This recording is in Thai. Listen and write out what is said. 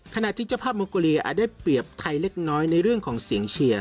ขณะที่เจ้าภาพมองโกเลียอาจได้เปรียบไทยเล็กน้อยในเรื่องของเสียงเชียร์